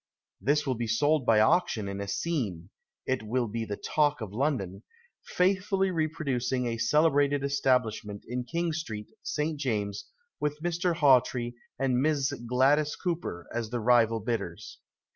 This will be sold by auction in a scene (it will be the talk of London) faithfully reproducing a celebrated establishment in King Street, St. James's, with Mr. Hawtrey and Miss Gladj's Cooper as the rival bidders.